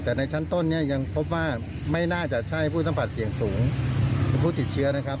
แต่ในชั้นต้นเนี่ยยังพบว่าไม่น่าจะใช่ผู้สัมผัสเสี่ยงสูงหรือผู้ติดเชื้อนะครับ